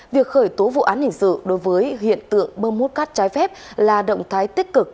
việc khởi tố vụ án hình sự đối với hiện tượng bơm hút cát trái phép là động thái tích cực